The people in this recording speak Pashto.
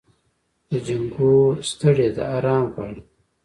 له جنګو ستړې ده آرام غواړي